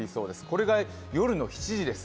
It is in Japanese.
これが夜の７時です。